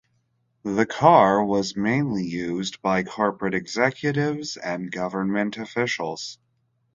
The car was mainly used by corporate executives and government officials.